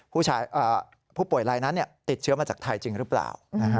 ผู้ป่วยลายนั้นติดเชื้อมาจากไทยจริงหรือเปล่า